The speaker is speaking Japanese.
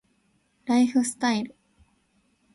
ライフスタイル